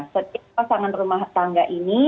setiap pasangan rumah tangga ini